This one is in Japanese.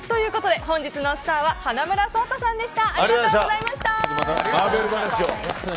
本日のスターは花村想太さんでした。